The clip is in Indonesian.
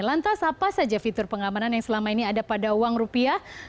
lantas apa saja fitur pengamanan yang selama ini ada pada uang rupiah